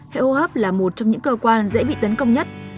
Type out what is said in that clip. hệ hô hấp là một trong những cơ quan dễ bị tấn công nhất